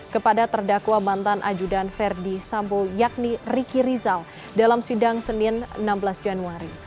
kepada terdakwa mantan ajudan verdi sambo yakni riki rizal dalam sidang senin enam belas januari